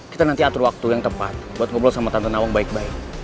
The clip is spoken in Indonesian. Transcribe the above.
kita nanti atur waktu yang tepat buat ngobrol sama tante nawang baik baik